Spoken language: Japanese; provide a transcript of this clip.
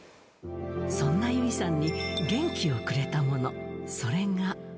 そんな優生さんに、元気をくれたもの、それが。